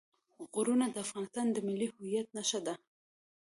غرونه د افغانستان د ملي هویت نښه ده.